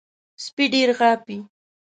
سپي ډېر غاپي .